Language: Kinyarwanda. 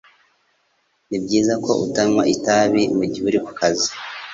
N’ibyiza ko utanywa itabi mugihe uri kukazi.